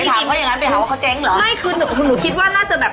ไปถามเขาอย่างงั้นไปถามว่าเขาเจ๊งเหรอไม่คือคือหนูคิดว่าน่าจะแบบ